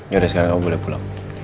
yaudah sekarang kamu boleh pulang